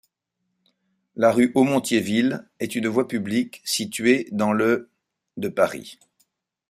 La rue Aumont-Thiéville est une voie publique située dans le de Paris.